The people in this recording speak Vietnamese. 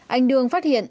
anh đương phát hiện